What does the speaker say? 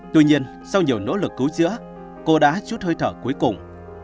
tuy nhiên sau nhiều nỗ lực cứu chữa cô đã chút hơi thở cuối cùng